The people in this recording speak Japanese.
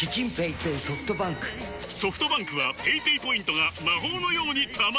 ソフトバンクはペイペイポイントが魔法のように貯まる！